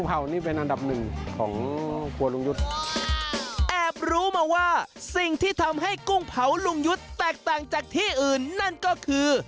ลุงยุทธ์แอบรู้มาว่าสิ่งที่ทำให้กุ้งเผาลุงยุทธ์แตกต่างจากที่อื่นนั่นก็คือ